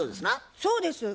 そうです。